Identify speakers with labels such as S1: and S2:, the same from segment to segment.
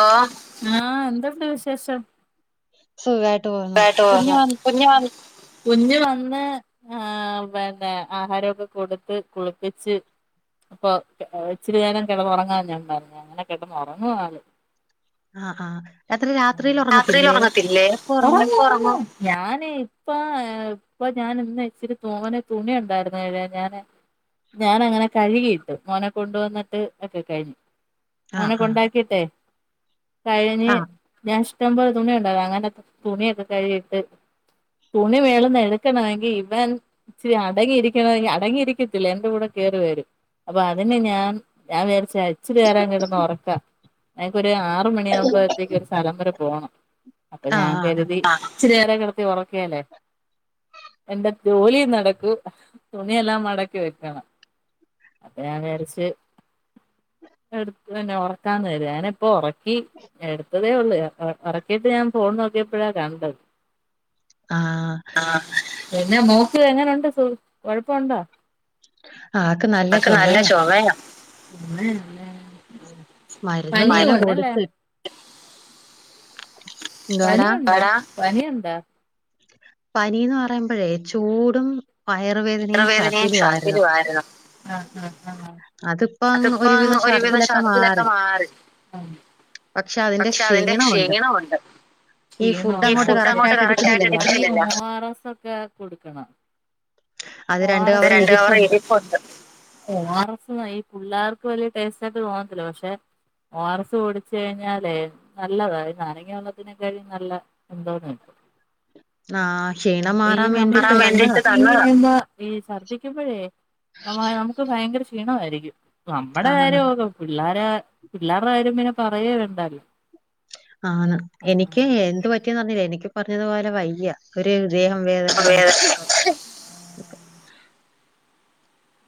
S1: ആ എന്ത്ണ്ട് വിശേഷം
S2: സുഖായിട്ട് പോകുന്നു.
S1: ബട്ടോ
S2: കുഞ്ഞ്
S1: വന്നോ
S2: വന്ന്
S1: കുഞ്ഞ് കുഞ്ഞ് വന്ന് ആ പിന്നെ ആഹാരൊക്കെ കൊടുത്ത് കുളിപ്പിച്ച് പ്പൊ ഇച്ചിരി നേരം കിടന്നുറങ്ങാൻ ഞാൻ അങ്ങനെ കിടന്നുറങ്ങുവ ആ
S2: ആ ആ അത്ര രാത്രിൽ ഉറങ്ങത്തില്ലേ എപ്പ
S1: [unintelligible] ഞാന് ഇപ്പ ഞാൻ ഇന്ന് ഇച്ചിരി തോനെ തുണി ഉണ്ടായിരുന്ന കഴുവാൻ ഞാന് ഞാൻ അങ്ങനെ കഴുകിയിട്ട് മോനെ കൊണ്ടുവന്നിട്ട് ഒക്കെ കഴിഞ്ഞു
S2: ആ,
S1: മോനെ
S2: ആ.
S1: കൊണ്ടാക്കിട്ടെ കഴിഞ്ഞ്
S2: ആ,
S1: ഞാൻ ഇഷ്ടം പോലെ തുണി ഉണ്ടയ്ന് അങ്ങനെ തുണിയൊക്കെ കഴിട്ട് തുണി വേളന്ന് എടുക്കണങ്കിൽ ഇവൻ ഇച്ചിരി അടങ്ങിയിരിക്കണെ അടങ്ങിയിരിക്കത്തില്ല എന്റെ കൂടെ കേറി വരും അപ്പൊ അതിന് ഞാൻ ഞൻ വിചാ ച്ചിരി നേരം കിടന്ന് ഉറക്കാം എനക്കൊരു ആറ് മണിയാകുമ്പോഴത്തേക്കും ഒരു സ്ഥലം വരെ പോണം അപ്പൊ
S2: ആ,
S1: ഞാൻ
S2: ആ,
S1: കരുതി ച്ചിരി നേരം കിടത്തി ഉറക്കേലേ എന്റെ ജോലി നടക്കു തുണിയെല്ലാം മടക്കി വെക്കണം അപ്പ ഞാൻ വിരച്ച് എടുത്ത് പിന്നെ ഉറക്കാന്ന് വര ഞാന ഇപ്പ ഉറ ക്കി എടുത്തതേ ഉള്ളൂ ഉറക്കിയിട്ട് ഞാൻ ഫോൺ നോക്കിയപ്പോഴാ കണ്ടണ്ട
S2: ആഹ്
S1: പിന്നെ മോക്ക് എങ്ങനുണ്ട് കൊഴപ്പോണ്ട
S2: ആൾക്ക്
S1: ആക്ക് നല്ല
S2: ചുമയാ.
S1: ചൊമയാ
S2: മരുന്ന് ഇങ്ങനെ
S1: പനിയൊണ്ടല്ലേ
S2: കൊടുത്ത്. എന്തുവാടാ?
S1: പനിയൊണ്ട പനിയൊണ്ടാ
S2: പനീന്ന് പറയുമ്പോഴേ ചൂടും വയുറുവേദനയും
S1: വയറുവേദനയും
S2: ശർദിലുമായിരുന്നു
S1: ഛർദിലും ആയിരുന്നു ആഹ് ആഹ് ആഹ്
S2: അത് ഇപ്പം
S1: അതിപ്പോ
S2: ഒരുവിധം
S1: അങ്ങ്
S2: ശർദിലൊക്കെ
S1: ഛർദിലൊക്കെ
S2: മാറി
S1: ആഹ് പക്ഷെ അതിന്റെ ക്ഷീണമുണ്ട് ഫുഡ് അങ്ങോട്ട് കറക്റ്റ് ആയിട്ട് കഴിക്കുന്നില്ല ഓ ആർ എസ് ഒക്കെ കൊടുക്കണം
S2: അത്
S1: ഓ ആർ എസ് ഇവിടെ
S2: കവർ
S1: രണ്ട് കവറ് ഇരിപ്പുണ്ട് ഓ ആർ എസ് ഈ പുള്ളാർക്ക് വലിയ ടേസ്റ്റ് ആയിട്ട് തോന്നത്തില്ല പക്ഷെ ഓ ആർ എസ് കുടിച്ച് കഴിഞ്ഞാലേ നല്ലതാ ഈ നാരങ്ങ വെള്ളത്തിനെ കായിം നല്ല എന്തോന്ന
S2: [unintelligible] ക്ഷീണം
S1: ഈ
S2: മാറാൻ
S1: [unintelligible]
S2: വേണ്ടിയിട്ട് തന്നതാ.
S1: ഈ ശർദിക്കുമ്പോഴേ നമുക്ക് ഭയങ്കര ക്ഷീണമായിരിക്കും നമ്മുടെ
S2: ആന്ന്.
S1: കാര്യം [unintelligible] പിള്ളേര പിള്ളേരുടെ കാര്യം പിന്നെ പറയേ വേണ്ടല്ലോ
S2: ആണ് എനിക്ക് എന്ത് പറ്റിയന്ന് അറഞ്ഞില്ല എനിക്ക് ഇ പറഞ്ഞതുപോലെ വയ്യ ഒരു ദേഹം വേദന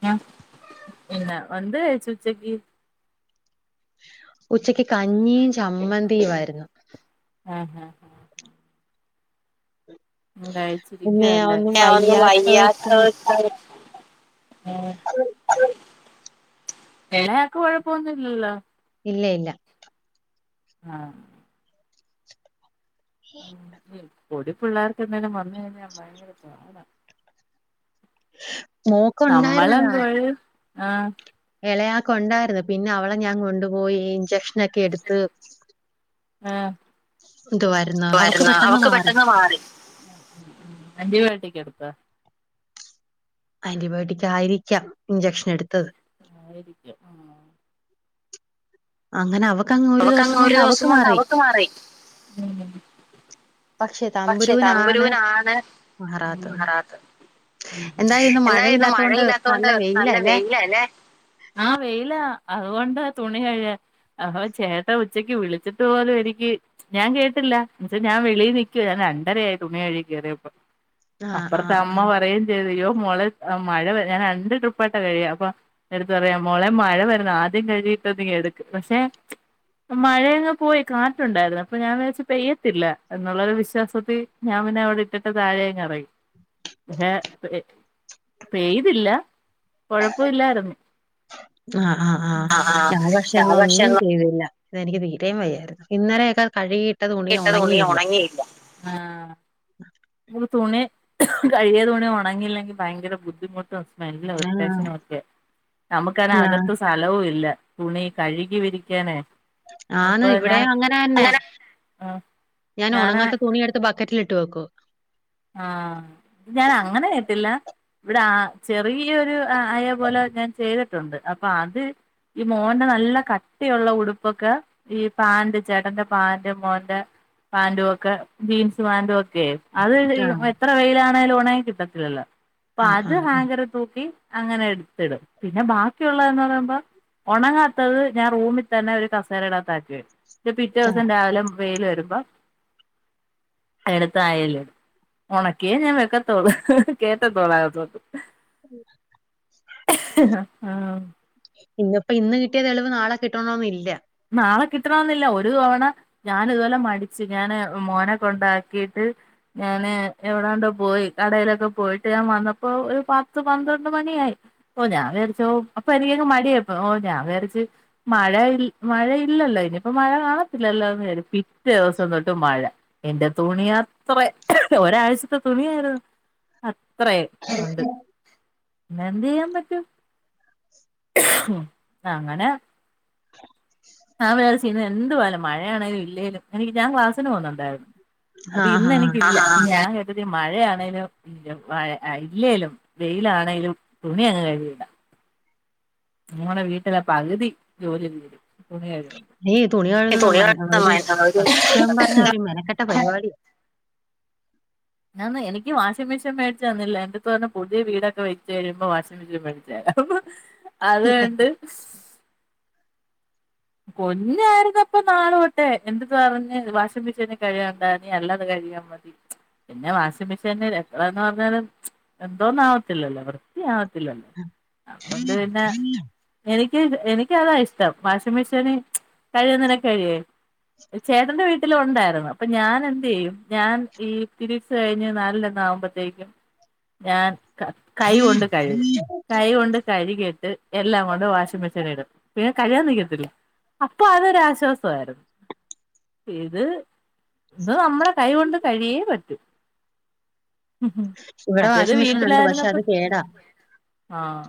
S1: ആ പിന്ന എന്ത്‌ കഴിച്ച് ഉച്ചക്ക്
S2: ഉച്ചക്ക് കഞ്ഞിയും ചമ്മന്തിയുമായിരുന്നു
S1: ആഹ് അഹ് [unintelligible]
S2: പിന്നെ
S1: കഴിച്ചിരിക്കുവാ അല്ലേ
S2: ഒന്നും
S1: ഇന്ന്
S2: വയ്യാത്തോർക്ക്
S1: വയ്യാത്തത് കൊണ്ട് [unintelligible] ഉം ഇളെയാക്ക് കുഴപ്പൊന്നില്ലല്ലോ
S2: ഇല്ല ഇല്ല
S1: ആഹ്
S2: ഹ
S1: പൊടി പിള്ളേർക്കെന്തേലും വന്ന് കഴിഞ്ഞാൽ ഭയങ്കര [unintelligible] നമ്മളും
S2: മോക്കുണ്ടായിരുന്നെടാ.
S1: കൊഴയും ആഹ്
S2: ഇളയാക്ക് ഉണ്ടായിരുന്നു പിന്നെ അവളെ ഞാൻ കൊണ്ടുപോയി ഇഞ്ചക്ഷനൊക്കെ എടുത്ത്
S1: ആഹ് വരുന്ന അവക്ക് പെട്ടെന്ന് മാറി ആന്റി ബയോട്ടിക് എടു ത്ത.
S2: ആന്റിബയോട്ടിക് ആയിരിക്കാം ഇഞ്ചെക്ഷൻ എടുത്തത്
S1: ആയിരിക്കാം ആഹ് അവക്കങ്ങ് ഒരു ദിവസം കൊണ്ട് അവക്ക് മാറി പക്ഷെ തമ്പുരൂനാണ് മാറാത്തത് ഉം
S2: എന്തായാലും ഇന്ന്
S1: എന്തായിന്ന്
S2: മഴയില്ലാത്തോണ്ട്
S1: മഴയില്ലാത്ത കൊണ്ട് നല്ല
S2: വെയിലാല്ലേ?
S1: വെയില അല്ലേ ആഹ് വെയിലാ അതുകൊണ്ടാ തുണി കഴിയ അപ്പൊ ചേട്ട ഉച്ചക്ക് വിളിച്ചിട്ട് പോലും എനിക്ക് ഞാൻ കേട്ടില്ല എന്ന് വെച്ച ഞാൻ വെളിയിനി ക്കുവാ ഞാൻ രണ്ടരയായി തുണി കഴുഴകി കയറിയപ്പൊ
S2: ആഹ്
S1: അപ്പുറത്തെ
S2: ആഹ്
S1: അമ്മ
S2: ആഹ്.
S1: പറയുകയും ചെയ്ത് യ്യോ മോളെ മഴ വര് ഞാൻ രണ്ട് ട്രിപ്പായിട്ടാ കഴുകിയ അപ്പൊ എന്റടുത്ത് പറയാ മോളെ മഴ വരുന്ന് ആദ്യം കഴി കിട്ടത് നീ എടുക്ക് പക്ഷേ മഴയങ് പോയി കാറ്റുണ്ടായിരുന്നു അപ്പൊ ഞാൻ വിചാരിച്ച് പെയ്യത്തില്ല എന്നുള്ളൊരു വിശ്വാസത്തി ഞാൻ പിന്നെ അവിടെ ഇട്ടിട്ട് താഴെയങ്ങ് ഇറങ്ങി പെയ്തില്ല കൊഴപ്പവില്ലായിരുന്നു
S2: ആഹ് ആഹ് ആഹ് ഞങ്ങള് പക്ഷേ
S1: ഞാൻ
S2: ഇന്ന്
S1: പക്ഷെ
S2: ഒന്നും ചെയ്തില്ല. ഇന്നെനിക്ക് തീരേം വയ്യാര്ന്നു ഇന്നലെയൊക്കെ കഴ്‌കി
S1: കിട്ട തുണി ഒണങ്ങില്ല ആഹ് നമക്ക് തുണി കഴ്‌കിയ തുണി ഒ ണങ്ങില്ലെങ്കി ഭയങ്കര ബുദ്ധിമു സ്മെല്ലും,
S2: ആഹ്
S1: ഇറിറ്റേഷനും ഒക്കെയാ നമുക്കാണെ
S2: ആഹ്
S1: അകത്ത് സലോം ഇല്ല തുണി കഴ്‌കി വിരിക്കാനെ
S2: ആന്ന് ഇവ്ടെ അങ്ങനെ അന്നെ
S1: ആഹ്
S2: ഞാൻ
S1: ഞാനാ
S2: ഒണങ്ങാത്ത തുണിയെടുത്ത് ബക്കറ്റിൽ ഇട്ട് വെക്കും
S1: ആഹ് ഞാൻ അങ്ങനെ കേട്ടില്ല ഇവ്ടാ ആ ചെറിയൊരു അയ പോലെ ഞാൻ ചെയ്തിട്ടൊണ്ട് അപ്പൊ അദ് ഈ മോന്റെ നല്ല കട്ടിയൊള്ള ഉടുപ്പൊക്കെ ഈ പാന്റ് ചേട്ടന്റെ പാന്റ് മോന്റെ പാന്റും ഒക്കെ ജീൻസ് പാന്റും ഒക്കെയെ അദ്
S2: ആഹ്
S1: എത്ര വെയിലാണെലും ഒണങ്ങി കിട്ടത്തില്ലല്ലോ അപ്പൊ
S2: ആഹ്
S1: അത്
S2: ആഹ്
S1: ഹാങ്കറിതൂക്കി അങ്ങനെ എട്ത്തിടും പിന്നെ ബാക്കിയൊള്ളെന്ന് പറയുമ്പോ ഒണങ്ങാത്തത് ഞാൻ റൂമി തന്നെ ഒരു കസേരടെകത്താക്കി വെക്കും ട്ട് പിറ്റേ
S2: ആഹ്
S1: ദിവസം രാവിലെ വെയില് വരുമ്പം എടുത്ത് ആയെലിടും. ഒണക്കിയേ ഞാൻ വെക്കത്തോള്ള് കേറ്റത്തോള്ള് അകത്തോട്ട് ആഹ്
S2: ഇന്ന്പ്പ ഇന്ന് കിട്ടിയ തെളിവ് നളെ കിട്ടണണോന്ന് ഇല്ല.
S1: നാളെ കിട്ടണം എന്നില്ല ഒര് തവണ ഞാന് ഇത്പോലെ മടിച്ച് ഞാന് മോനെ കൊണ്ടാക്കിട്ട് ഞാന് എവിടാണ്ടോ പോയി കടലൊക്കെ പോയിട്ട് ഞാൻ വന്നപ്പോ ഒര് പത്ത് പന്ത്രണ്ട് മണിയായി ഓ ഞാൻ വിചാരിച്ചോ അപ്പ എനിക്കങ്ങ് മടിയപ്പ ഓ ഞാൻ വിചാരിച്ച് മഴഇ മഴ ഇല്ലല്ലോ ഇനിയിപ്പ മഴ കാണത്തില്ലല്ലോ [unintelligible] പിറ്റേ ദിവസം തൊട്ട് മഴ എന്റെ തുണിയാ അത്രെ ഒരാഴ്ചത്തെ തുണിയാരുന്നു അത്രെ ഒണ്ട് പിന്നെ എന്ത് ചെയ്യാൻ പറ്റും അങ്ങനെ പിന്നെ എന്തുവായാലും ‌ മഴയാണെലും ഇല്ലേലും എനിക്ക് ഞാൻ ക്ലാസിന് പോക്ന്നൊണ്ടാര് അപ്പ
S2: ആഹ്
S1: ഇന്ന്
S2: ആഹ്
S1: എനിക്കില്ല ഞാൻ ക കര്തി മഴയാണെലും മഴ ഇല്ലേലും വെയിലാണെലും തുണി അങ്ങ് കഴ്‌കിയിടാം മോടെ വീട്ടിലെ പകുതി ജോലി തീരും തുണികഴ്ക്മ്പം ‌
S2: ഏയ് തുണി കഴ്ക്‌ന്ന [unintelligible] ഒരു
S1: ഒരു
S2: സത്യം പറഞ്ഞാ ഒര് മെനക്കെട്ട പരിപാടിയാ
S1: ആന്ന് എനിക്ക് വാഷിംങ്ങ് മിഷൻ മേടിച്ച് തന്നില്ല എന്റെടുത്ത് പറഞ്ഞു പുതിയ വീടൊക്കെ വെച്ച് കഴിയുമ്പ വാഷിംങ്ങ് മിഷൻ മേടിച്ച് തരാ അത്കൊണ്ട് കുഞ്ഞാര്ന്നപ്പ നാള്തൊട്ടെ എന്ത്‌ പറഞ്ഞ് വാഷിം മിഷനി കഴ്കണ്ട നീ അല്ലാത കഴ്‌ കഴ്കിയാ ‌ മതി പിന്നെ വാഷിംങ്ങ് മിഷനില് എത്രാന്ന് പറഞ്ഞാലും എന്തോന്ന് ആവത്തില്ലല്ലോ വൃത്തിയാവ ത്തില്ലല്ലോ അത്കൊണ്ട് പിന്നെ എനിക്ക് എനിക്കതാ ഇഷ്ട്ടം വാഷി മഷീന് കഴുകുന [unintelligible] ചേട്ടന്റെ വീട്ടിലും ഒണ്ടാര്ന്നു അപ്പ ഞാന് എന്തെയ്യും ഞാൻ ഈ പിരീഡ്സ് കഴിഞ് നാലിന്റെ അന്ന് ആവ്മ്പത്തേക്കും ഞാൻ കൈ കൊണ്ട് കഴ്‌കും കൈ കൊണ്ട് കഴ്‌കിട്ട് എല്ലാം കൊണ്ട് വാഷിംങ്ങ് മിഷനി ഇടും പിന്നെ കഴ്‌കാൻ നിക്ക ത്തില്ല അപ്പോ അതൊരാശ്വാസവാരുന്നു ഇത് ദ് നമ്മടെ കൈ കൊണ്ട് കഴിയേ പറ്റൂ ഉം
S2: ഇവിടെ
S1: മറ്റേത്
S2: വാഷിംഗ് മെഷീൻ ഉണ്ട് പക്ഷെ അത്
S1: വീട്ടിലാരുന്നപ്പം
S2: കേടാ.
S1: ആഹ്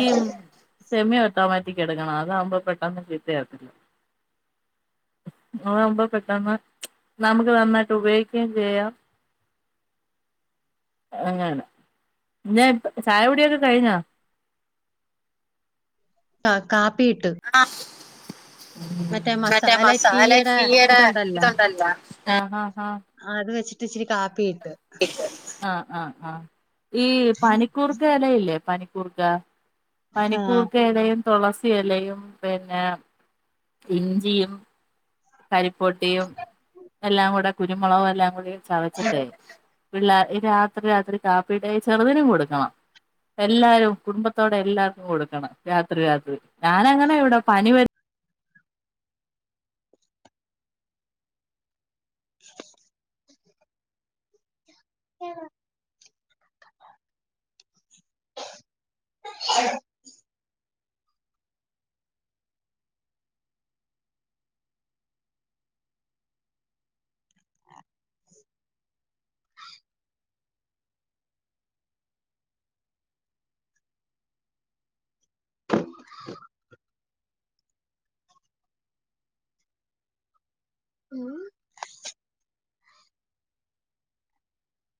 S1: ഈ സെമി ഒട്ടോമാറ്റിക്ക് എട്ക്കണം അതാവ്മ്പോ പെ ട്ടെന്ന് ചീത്തയാവത്തില്ല അതാവുമ്പ പെട്ടെന്ന് നമക്ക് നന്നായിട്ട് ഉപയോഗിക്കേം ചെയ്യാം അങ്ങനാണ് ന്നെ ചായകുടിയൊക്കെ കഴിഞ്ഞോ?
S2: ആ കാപ്പിയിട്ട്
S1: ആഹ് മറ്റേ മസാല ടീയ്ടെ ഇതൊണ്ടല്ല ഹ ഹ ഹ
S2: ആ അത് വെച്ചിട്ടിച്ചിരി കാപ്പി
S1: ആ ആഹ് ആഹ് ഈ പനിക്കൂർക്കയെലയില്ലേ പനി ക്കൂർക്ക പനിക്കൂർക്ക
S2: ആഹ്
S1: എലയും തുളസി എലയും പിന്നെ ഇഞ്ചിയും കരിപ്പൊട്ടിയും എല്ലാം കൂടെ കുരുമുളകും എല്ലാം കൂടി ചവച്ചിട്ടേ പിള്ളേ ഈ രാത്രി രാത്രി കാപ്പിടേ ചെറുതിനും കൊടുക്കണം എല്ലാരും കുടുംബത്തോടെ എല്ലാർക്കും കൊടുക്കണം. രാത്രി രാത്രി ഞാനങ്ങനെ ഇവിടെ പനി വര്
S2: [unintelligible] ഉം